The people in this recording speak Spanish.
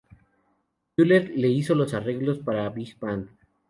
Fuller le hizo los arreglos para "big band.